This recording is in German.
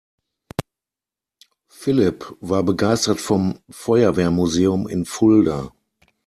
Philipp war begeistert vom Feuerwehrmuseum in Fulda.